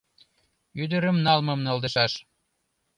Ӱдырым налмым налдышаш